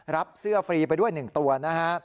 รับเสื้อฟรีไปด้วย๑ตัวนะฮะ